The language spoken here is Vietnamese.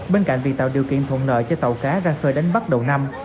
bên cạnh việc tạo điều kiện thuận lợi cho tàu cá ra khơi đánh bắt đầu năm